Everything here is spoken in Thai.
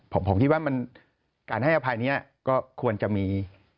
ผมคิดว่าการให้อภัยนี้ก็ควรจะมี